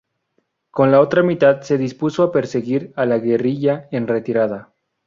Con la otra mitad se dispuso a perseguir a la guerrilla en retirada.